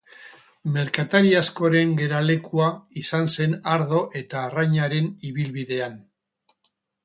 Merkatari askoren geralekua izan zen ardo eta arrainaren ibilbidean.